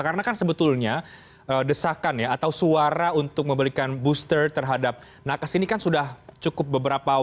karena kan sebetulnya desakan atau suara untuk memberikan booster terhadap nakas ini kan sudah cukup beberapa